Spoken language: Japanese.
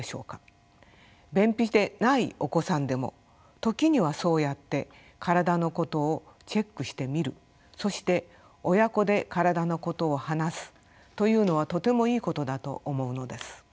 便秘でないお子さんでも時にはそうやって体のことをチェックしてみるそして親子で体のことを話すというのはとてもいいことだと思うのです。